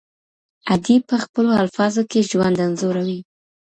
ادئب په خپلو الفاظو کي ژوند انځوروي.